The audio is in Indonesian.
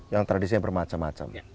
yang tradisi yang bermacam macam